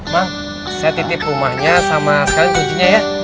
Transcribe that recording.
ma saya titip rumahnya sama sekali kuncinya ya